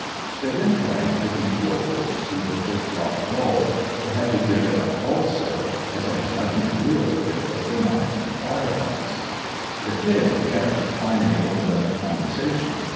They then tried picking port holes through the thick rock walls, but had to give it up also, as they had nothing to do it with but their knives and firearms. The 'Kid' and Garrett finally opened up a conversation.